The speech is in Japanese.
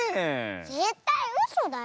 ぜったいうそだよ。